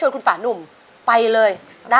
เห็นคุณแม่ไปกันไปเลย